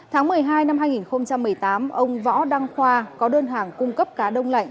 tháng một mươi hai năm hai nghìn một mươi tám ông võ đăng khoa có đơn hàng cung cấp cá đông lạnh